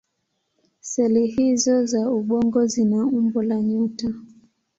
Seli hizO za ubongo zina umbo la nyota.